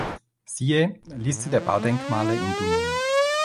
Siehe: Liste der Baudenkmale in Dunum